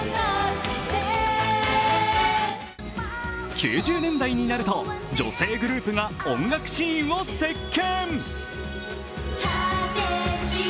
９０年代になると、女性グループが音楽シーンを席巻。